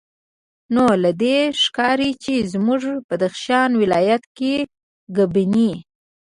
نو له دې ښکاري چې زموږ بدخشان ولایت کې ګبیني